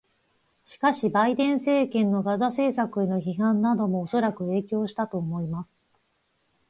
しかし、バイデン政権のガザ政策への批判などもおそらく影響したと思います。